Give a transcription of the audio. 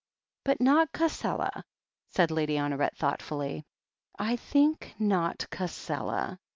"But not Cassela," said Lady Honoret thoughtfully. "I think not Cassela.